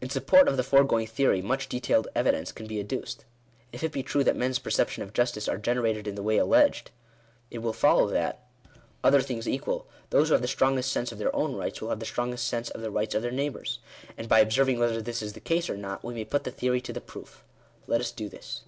In support of the foregoing theory much detailed evidence can be adduced. If it be true that men's perceptions of jus tice are generated in the way alleged, it will follow that, other things equal, those who have the strongest sense of their own rights, will have the strongest sense of the rights of their neighbours. And, by observing whether this is the case or not, we may put the theory to the proof. Let us do this.